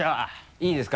いいですか？